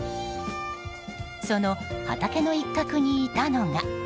その畑の一角にいたのが。